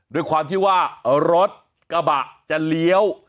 ด้วยความที่ว่ารถกระบะจะเลี้ยว